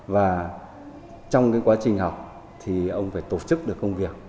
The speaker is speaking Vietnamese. và trong cái quá trình học thì ông phải tổ chức được công việc